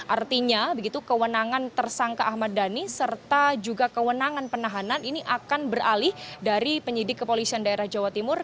artinya begitu kewenangan tersangka ahmad dhani serta juga kewenangan penahanan ini akan beralih dari penyidik kepolisian daerah jawa timur